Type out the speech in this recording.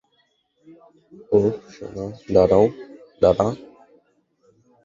ওহ সোনা, দাঁড়া!